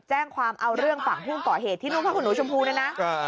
แจ้งความเอาเรื่องฝั่งผู้ก่อเหตุที่นู่นพระคุณหนูชมพูเนี่ยนะ